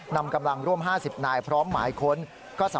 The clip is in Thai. คุณกว่าจะเข้าไปได้นะ